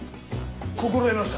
心得ました。